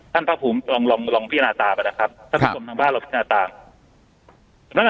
ท่านพระผู้ลองพินาศาสตร์ไปนะครับท่านผู้ผู้ชมทางบ้านเราพินาศาสตร์